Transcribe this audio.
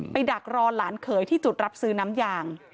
ดักรอหลานเขยที่จุดรับซื้อน้ำยาง